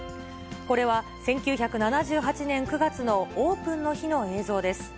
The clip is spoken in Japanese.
これは１９７８年９月のオープンの日の映像です。